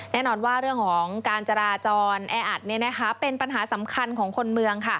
แน่นอนว่าเรื่องของการจราจรแออัดเป็นปัญหาสำคัญของคนเมือง